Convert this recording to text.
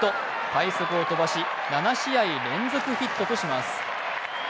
快足を飛ばし、７試合連続ヒットとします。